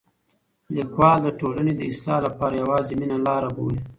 لیکوال د ټولنې د اصلاح لپاره یوازې مینه لاره بولي.